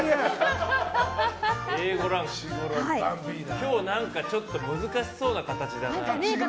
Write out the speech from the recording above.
今日ちょっと難しそうな形だな。